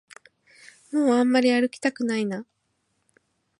もうあんまり歩きたくないな